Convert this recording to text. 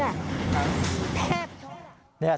แทบเช่นแหละ